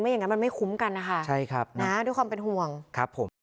อย่างนั้นมันไม่คุ้มกันนะคะใช่ครับนะด้วยความเป็นห่วงครับผม